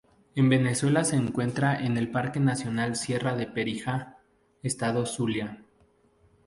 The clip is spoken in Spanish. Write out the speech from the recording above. En Venezuela se encuentra en el parque nacional Sierra de Perijá, estado Zulia.